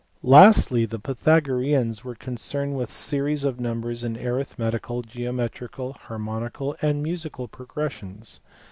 Lastly the Pythagoreans were concerned with series of numbers in arithmetical, geometrical, harmonica!, and musical progressions.